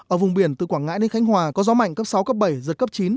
ở vùng biển từ quảng ngãi đến khánh hòa có gió mạnh cấp sáu cấp bảy giật cấp chín